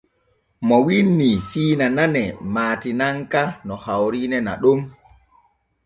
MO wiinnii fiina nane maatinaki no hawriine naɗon.